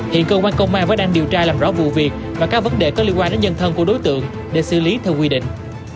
hiện cơ quan công an vẫn đang điều tra làm rõ vụ việc và các vấn đề có liên quan đến nhân thân của đối tượng để xử lý theo quy định